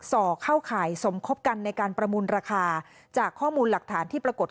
่อเข้าข่ายสมคบกันในการประมูลราคาจากข้อมูลหลักฐานที่ปรากฏ